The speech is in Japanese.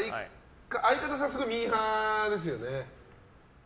相方さんはすごいミーハーですよね？